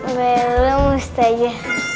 eh belum ustazya